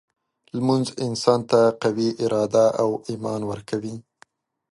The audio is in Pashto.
لمونځ انسان ته قوي اراده او ایمان ورکوي.